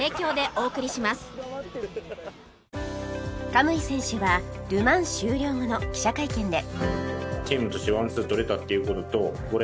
可夢偉選手はル・マン終了後の記者会見で